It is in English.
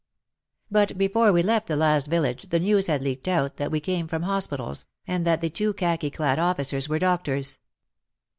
But before we left the last village the news had leaked out that we came from hospitals, and that the two khaki clad officers were doctors.